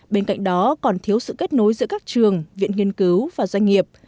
bên cạnh đó còn thiếu sự kết nối giữa các trường viện nghiên cứu và doanh nghiệp